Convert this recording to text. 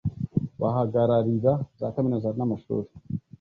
bahagararira za kaminuza n amashuri